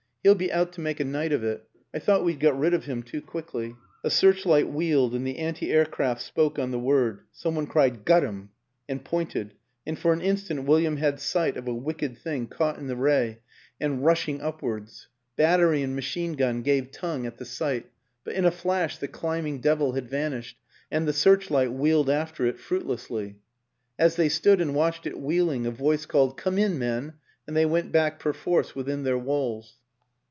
He'll be out to make a night of it I thought we'd got rid of him too quickly." A searchlight wheeled and the anti aircraft spoke on the word; some one cried, " Got 'im," and pointed, and for an instant William had sight of a wicked thing caught in the ray and rushing WILLIAM AN ENGLISHMAN 273 upwards. Battery and machine gun gave tongue at the sight, but in a flash the climbing devil had vanished and the searchlight wheeled after it fruitlessly. As they stood and watched it wheel ing, a voice called, " Come in, men," and they went back perforce within their walls.